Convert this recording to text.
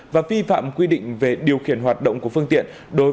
và vi phạm quy định về điều khiển hoạt động của phương tiện